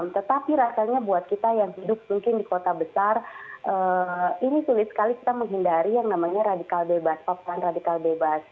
tetapi rasanya buat kita yang hidup mungkin di kota besar ini sulit sekali kita menghindari yang namanya radikal bebas paparan radikal bebas